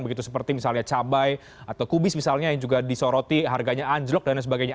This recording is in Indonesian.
begitu seperti misalnya cabai atau kubis misalnya yang juga disoroti harganya anjlok dan sebagainya